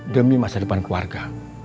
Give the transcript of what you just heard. demi masa depan keluarga